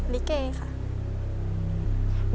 ลิเกค่ะ